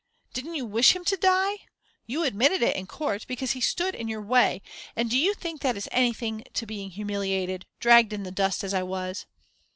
Didn't you wish him to die? You admitted it in court because he stood in your way; and do you think that is anything to being humiliated dragged in the dust, as I was?"